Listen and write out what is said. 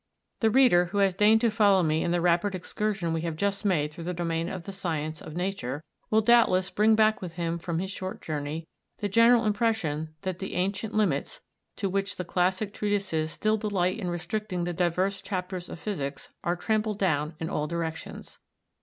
The reader who has deigned to follow me in the rapid excursion we have just made through the domain of the science of Nature, will doubtless bring back with him from his short journey the general impression that the ancient limits to which the classic treatises still delight in restricting the divers chapters of physics, are trampled down in all directions.